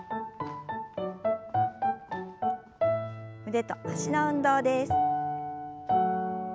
腕と脚の運動です。